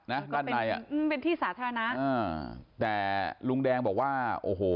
ด้านในอ่ะอืมเป็นที่สาธารณะอ่าแต่ลุงแดงบอกว่าโอ้โห